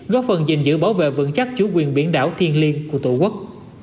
góp phần giữ bảo vệ vững chắc chủ quyền biển đảo thiên liên của tổ quốc